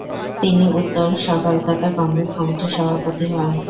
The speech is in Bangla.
তিনি উত্তর কলকাতা কংগ্রেস কমিটির সভাপতি হন।